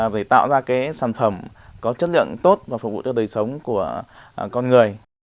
để tạo ra cái sản phẩm có chất lượng tốt và phục vụ cho đời sống của con người